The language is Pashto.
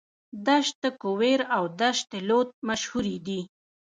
دشت کویر او دشت لوت مشهورې دي.